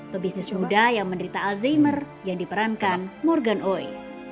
pebisnis muda yang menderita alzheimer yang diperankan morgan oi